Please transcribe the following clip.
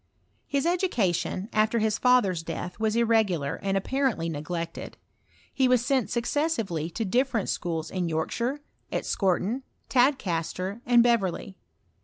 His education, after his father's death, was irregulax. And apparently neglected ; he was sent successively to different schools in Yorkshire, at Scorton, Tad caster, and Beverley.